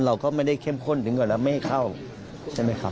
เราก็ไม่ได้เข้มข้นถึงก่อนเราไม่ให้เข้าใช่ไหมครับ